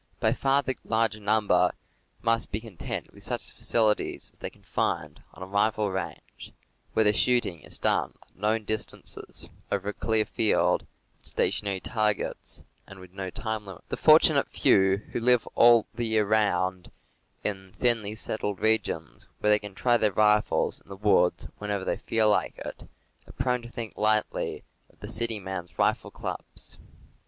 By far the larger number must be content with such facilities as they can find on a rifle range, where the shooting is done at known distances, over a clear field, at stationary targets, and with no time limit. The fortunate few who live all the year 'round in thinly settled regions, where they can try their rifles in the woods whenever they feel like it, are prone to think lightly of the city man's rifle clubs.